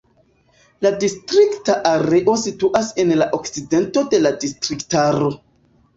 La distrikta areo situas en la okcidento de la distriktaro.